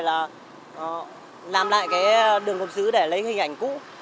là làm lại cái đường gốm xứ để lấy hình ảnh cũ